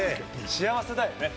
幸せだよね